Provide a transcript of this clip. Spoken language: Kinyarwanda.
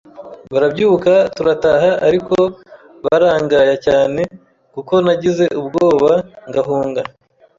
barabyuka turataha ariko barangaya cyane kuko nagize ubwoba ngahunga